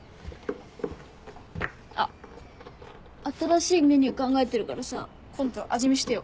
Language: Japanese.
あっ新しいメニュー考えてるからさ今後味見してよ。